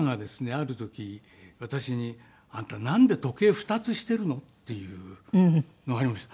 ある時私に「あんたなんで時計２つしているの？」っていうのありました。